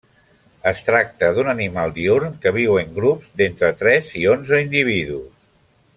Es tracta d'un animal diürn que viu en grups d'entre tres i onze individus.